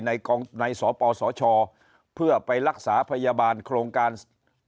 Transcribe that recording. ในสหประชาชาชนเพื่อไปรักษาพยาบาลโครงการบัตรทอง